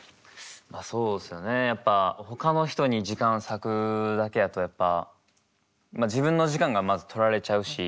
まあそうっすよねやっぱほかの人に時間割くだけやとやっぱ自分の時間がまず取られちゃうし。